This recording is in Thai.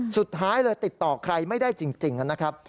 สุดท้ายเลยติดต่อใครไม่ได้จริงนะครับ